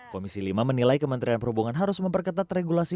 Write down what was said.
komisi lima menilai kementerian perhubungan harus memperketat regulasi